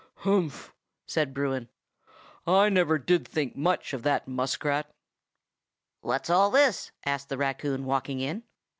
"Humph!" said Bruin, "I never did think much of that muskrat." "What's all this?" asked the raccoon, walking in.